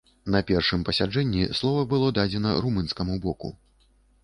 На першым пасяджэнні слова было дадзена румынскаму боку.